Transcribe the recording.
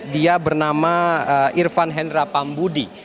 dia bernama irfan hendra pambudi